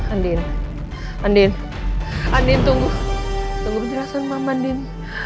andin andin andin tunggu tunggu penjelasan mama andin